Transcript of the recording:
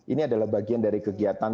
ini adalah bagian dari kegiatan